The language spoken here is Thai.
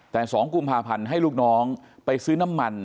แต่๒กุมภาพันธ์ให้ลูกน้องไปซื้อน้ำมัน